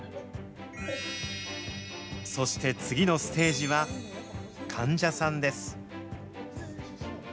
そして次のステージは、患者さんです。